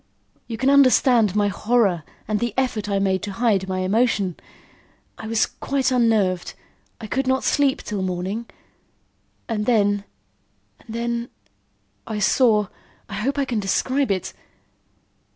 You can understand my horror and the effort I made to hide my emotion. I was quite unnerved. I could not sleep till morning, and then and then I saw I hope I can describe it."